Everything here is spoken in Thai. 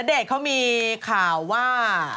เดชเขามีข่าวว่า